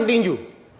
ini rumah sakit